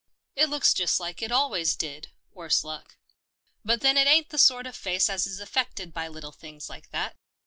" It looks just like it al wa}^s did, worse luck. But then it ain't the sort of face as is affected by little things like that.